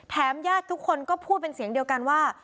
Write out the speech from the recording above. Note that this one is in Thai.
ญาติทุกคนก็พูดเป็นเสียงเดียวกันว่า